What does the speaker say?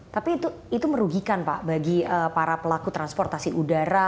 tapi itu merugikan pak bagi para pelaku transportasi udara